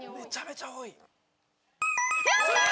やったー！